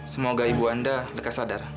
semoga ibu anda dekat sadar